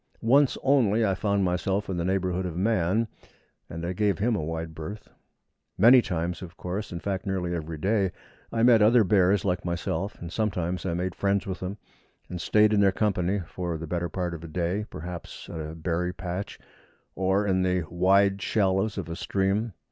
Once only I found myself in the neighbourhood of man, and I gave him a wide berth. Many times, of course in fact, nearly every day I met other bears like myself, and sometimes I made friends with them, and stayed in their company for the better part of a day, perhaps at a berry patch or in the wide shallows of a stream.